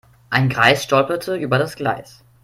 Ein Greis stolperte über das Gleis.